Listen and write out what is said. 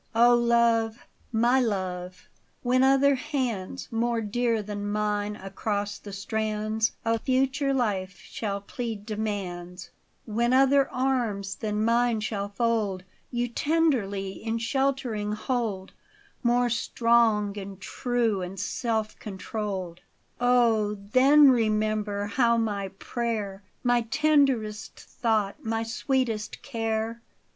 O love ! my love, when other hands More dear than mine across the strands Of future life shall plead demands, — When other arms than mine shall fold You tenderly, in sheltering hold More strong, and true, and self controlled, Oh, then remember how my prayer. My tenderest thought, my sweetest care.